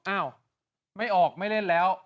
อ้าวไม่ออกไม่เล่นแล้ว